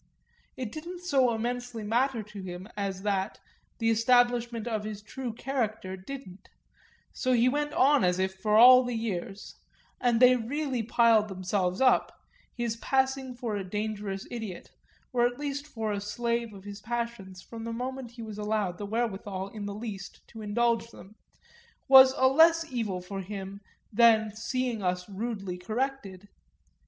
It didn't so immensely matter to him as that, the establishment of his true character didn't; so he went on as if for all the years and they really piled themselves up: his passing for a dangerous idiot, or at least for a slave of his passions from the moment he was allowed the wherewithal in the least to indulge them, was a less evil for him than seeing us rudely corrected.